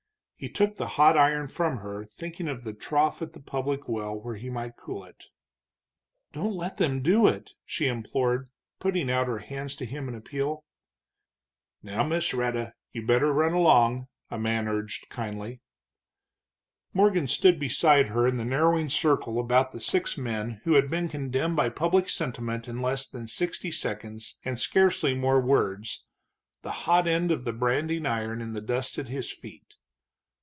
He took the hot iron from her, thinking of the trough at the public well where he might cool it. "Don't let them do it," she implored, putting out her hands to him in appeal. "Now Miss Rhetta, you'd better run along," a man urged kindly. Morgan stood beside her in the narrowing circle about the six men who had been condemned by public sentiment in less than sixty seconds and scarcely more words, the hot end of the branding iron in the dust at his feet.